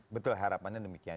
betul harapannya demikian